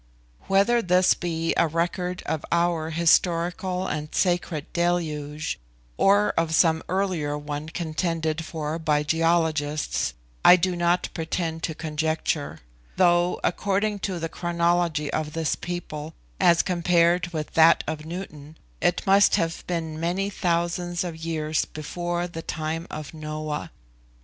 Whether this be a record of our historical and sacred Deluge, or of some earlier one contended for by geologists, I do not pretend to conjecture; though, according to the chronology of this people as compared with that of Newton, it must have been many thousands of years before the time of Noah.